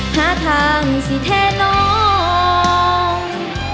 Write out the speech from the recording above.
หาทางสิแท้น้อง